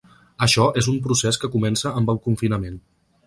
Això és un procés que comença amb el confinament.